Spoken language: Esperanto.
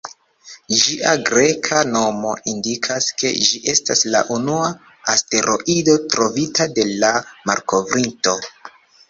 Ĝia greka nomo indikas, ke ĝi estas la unua asteroido trovita de la malkovrinto.